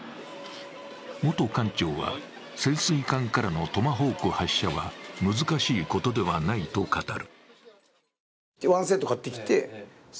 元艦長は、潜水艦からのトマホーク発射は難しいことではないと語る。